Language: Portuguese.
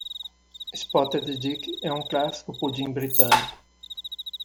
Spotted dick é um clássico pudim britânico.